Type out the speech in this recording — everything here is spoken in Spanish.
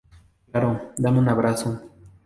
Claro. Dame un abrazo.